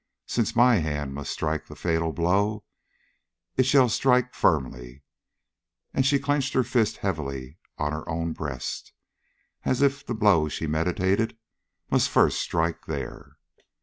Since my hand must strike the fatal blow, it shall strike firmly!" and her clenched fist fell heavily on her own breast, as if the blow she meditated must first strike there.